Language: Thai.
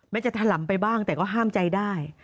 จะถล่ำไปบ้างแต่ก็ห้ามใจได้